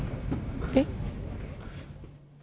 えっ？